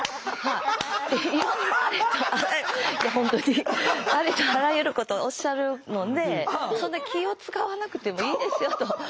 ありとあらゆることおっしゃるのでそんな気を使わなくてもいいですよと。